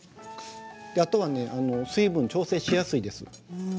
あとは水分を調整しやすいですよ。